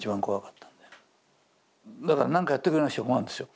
だから何かやってくれなくちゃ困んですよ。